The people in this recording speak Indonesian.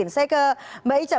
saya ke mbak icah